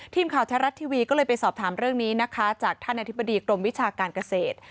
ทีมข่าวแท้รัฐทีวีก็เลยไปสอบถามเรื่องนี้นะคะจากท่านอธิบดีกรมวิชาการเกษตร